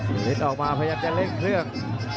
สุรินิษฐ์ออกมาพยายามจะเร่งเครื่อง